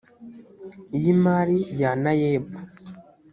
y imari ya naeb